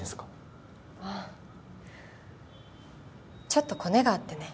ちょっとコネがあってね。